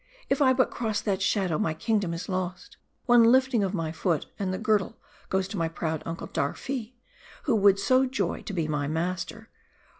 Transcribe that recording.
If I but cross that shadow, my kingdom is lost. One lifting of my foot, and the girdle goes to my proud uncle Darfi, who would so joy to be my master.